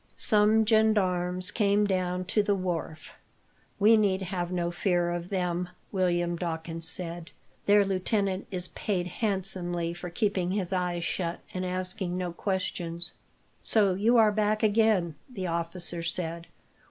Some gendarmes came down to the wharf. "We need have no fear of them," William Dawkins said. "Their lieutenant is paid handsomely for keeping his eyes shut, and asking no questions." "So you are back again," the officer said.